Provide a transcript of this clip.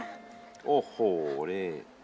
โร่หลิ